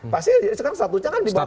pasti sekarang statusnya kan dibawa kpk